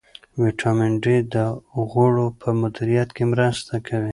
ویټامین ډي د غوړو په مدیریت کې مرسته کوي.